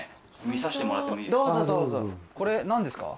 見さしてもらってもいいですか？